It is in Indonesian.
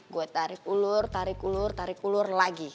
gue tarik ulur tarik ulur tarik ulur lagi